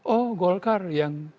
oh golkar yang